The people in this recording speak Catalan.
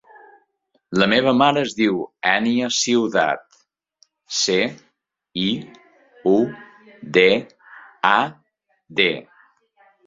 La meva mare es diu Ènia Ciudad: ce, i, u, de, a, de.